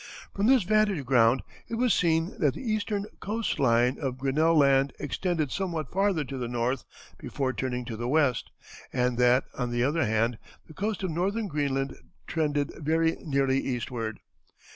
From this vantage ground it was seen that the eastern coast line of Grinnell Land extended somewhat farther to the north before turning to the west, and that, on the other hand, the coast of Northern Greenland trended very nearly eastward.